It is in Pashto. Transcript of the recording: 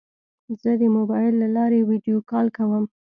زه د موبایل له لارې ویدیو کال کوم.